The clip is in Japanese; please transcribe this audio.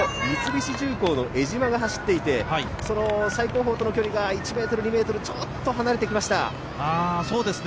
三菱重工の江島が走っていてその最後方との距離が１ｍ、２ｍとちょっと離れてきました。